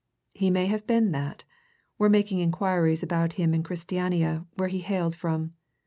He may have been that we're making inquiries about him in Christiania, where he hailed from.